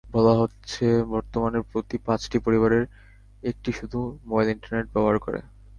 বলা হচ্ছে, বর্তমানে প্রতি পাঁচটি পরিবারের একটি শুধু মোবাইল ইন্টারনেট ব্যবহার করে।